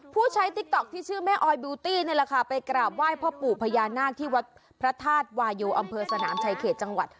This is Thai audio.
ใช้ติ๊กต๊อกที่ชื่อแม่ออยบูตี้นี่แหละค่ะไปกราบไหว้พ่อปู่พญานาคที่วัดพระธาตุวายูอำเภอสนามชายเขตจังหวัด